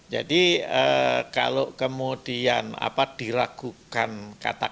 jadi kalau kemudian diragukan katakanlah